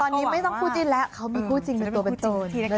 ตอนนี้ไม่ต้องคู่จินแล้วเขามีคู่จินตัวเป็นตัว